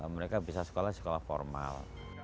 mereka bisa sekolah sekolah formal